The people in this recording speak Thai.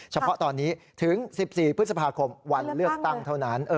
เฉพาะตอนนี้ถึง๑๔พฤษภาคมวันเลือกตั้งเท่านั้น